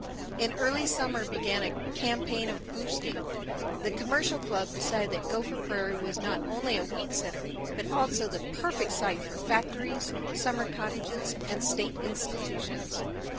In early summer began a "campaign of boosting." The Commercial Club decided that Gopher Prairie was not only a wheat center but also the perfect site for factories, summer cottages, and state institutions.